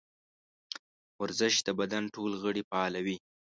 ورزش د بدن ټول غړي فعالوي.